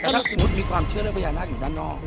แต่ถ้าขดสินสุดมีความเชื่อเรือกว่าอย่างน้าอยู่ด้านนอก